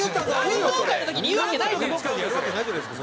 運動会の時に言うわけないじゃないですか。